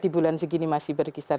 di bulan segini masih berkisar